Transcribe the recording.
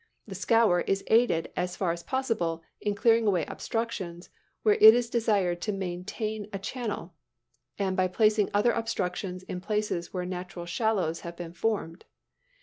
The "scour" is aided as far as possible by clearing away obstructions where it is desired to maintain a channel, and by placing other obstructions in places where natural shallows have been formed.